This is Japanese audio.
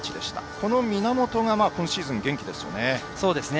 この源は今シーズン元気ですね。